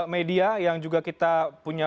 media yang juga kita punya